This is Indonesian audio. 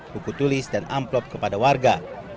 buku tulis dan amplop kepada warga